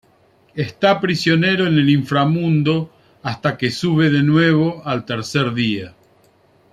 Está prisionero en el inframundo hasta que sube de nuevo, al tercer día.